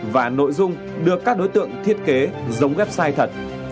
và nội dung được các đối tượng thiết kế giống website thật